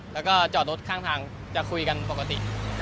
แล้วก็จอดรถข้างทางจะคุยกันปกติ